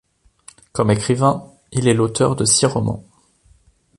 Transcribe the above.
Comme écrivain, il est l’auteur de six romans.